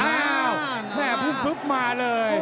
อ้าวแม่พึบมาเลย